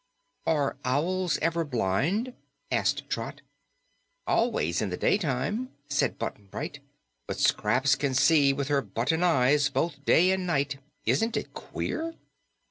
"Are owls ever blind?" asked Trot. "Always, in the daytime," said Button Bright. "But Scraps can see with her button eyes both day and night. Isn't it queer?"